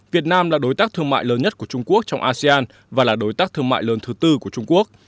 việt nam là đối tác thương mại lớn nhất của trung quốc trong asean và là đối tác thương mại lớn thứ tư của trung quốc